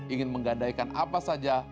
ingin menggadaikan apa saja